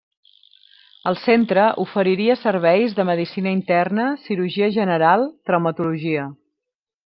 El centre oferiria serveis de medicina interna, cirurgia general, traumatologia.